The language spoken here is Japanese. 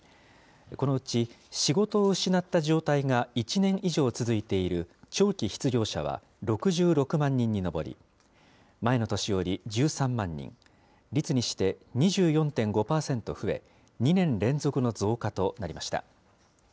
このうち、仕事を失った状態が１年以上続いている長期失業者は６６万人に上り、前の年より１３万人、率にして２４．５％増え、２年連続の増加となりました。